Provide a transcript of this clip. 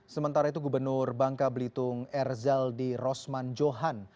sementara itu gubernur bangka belitung erzaldi rosman johan